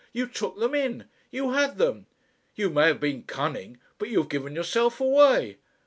You took them in, you had them. You may have been cunning, but you have given yourself away.